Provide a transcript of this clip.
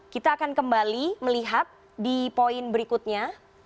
kita akan kembali melihat di poin berikutnya